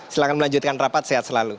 silahkan melanjutkan rapat sehat selalu